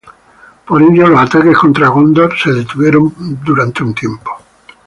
Por ello los ataques contra Gondor se detuvieron por un tiempo.